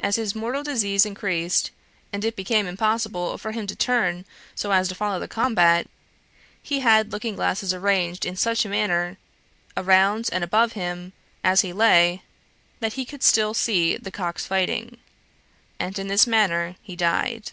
As his mortal disease increased, and it became impossible for him to turn so as to follow the combat, he had looking glasses arranged in such a manner, around and above him, as he lay, that he could still see the cocks fighting. And in this manner he died.